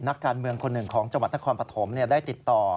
นักการเมืองคนหนึ่งของจังหวัดนครปฐมได้ติดต่อ